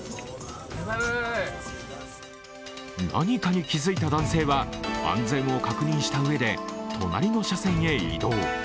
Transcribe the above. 何かに気付いた男性は安全を確認したうえで、隣の車線へ移動。